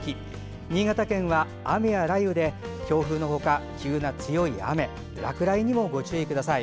新潟県は雨や雷雨で強風のほか急な強い雨落雷にもご注意ください。